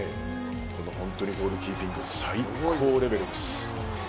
本当にゴールキーピング最高レベルです。